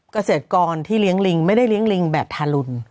เกษตรกรที่เลี้ยงลิงไม่ได้เลี้ยงลิงแบบทารุณ